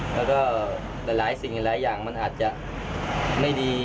และก็หลายอย่างมันอาจจะไม่ดี